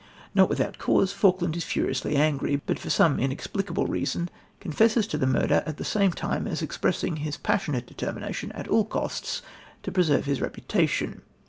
Not without cause, Falkland is furiously angry, but for some inexplicable reason confesses to the murder, at the same time expressing his passionate determination at all costs to preserve his reputation.